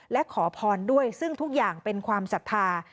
และขอพรด้วยซึ่งทุกอย่างเป็นความศรัทธา